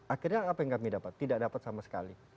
akhirnya apa yang kami dapat tidak dapat sama sekali